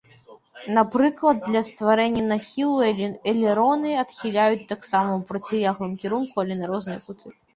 Напрыклад, для стварэння нахілу элероны адхіляюць таксама ў процілеглым кірунку, але на розныя куты.